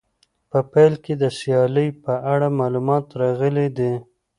په پیل کې د سیالۍ په اړه معلومات راغلي دي.